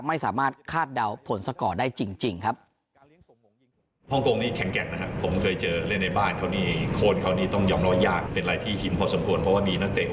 ไม่สามารถคาดเดาผลสกอร์ได้จริงครับ